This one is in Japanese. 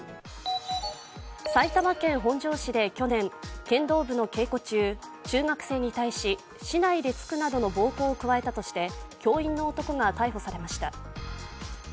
埼玉県本庄市で去年、剣道部の稽古中中学生に対し、竹刀で突くなどの暴行を加えたとして教員の男が逮捕されました。